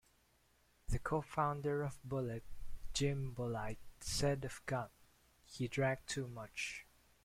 The co-founder of Bullet, Jim Bulleit, said of Gant:He drank too much...